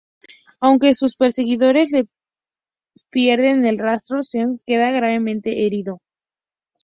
Aunque sus perseguidores les pierden el rastro, Shep queda gravemente herido.